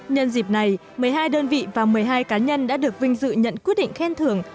nhân dịp này một mươi hai đơn vị và một mươi hai cá nhân đã được vinh dự nhận quyết định khen thưởng